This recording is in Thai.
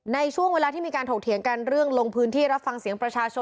ในช่วงเวลาที่มีการถกเถียงกันเรื่องลงพื้นที่รับฟังเสียงประชาชน